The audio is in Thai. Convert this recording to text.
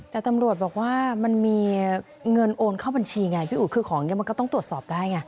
แต่ตำรวจบอกว่ามันมีเงินโอนเข้าบัญชีไงพี่อุ๋ยคือของอย่างนี้มันก็ต้องตรวจสอบได้ไง